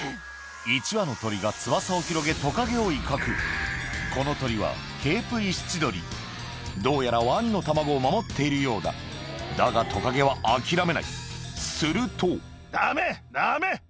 １羽の鳥が翼を広げトカゲを威嚇この鳥はどうやらワニの卵を守っているようだだがトカゲは諦めないするとダメダメ！